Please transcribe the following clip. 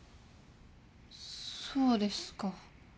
そうですか。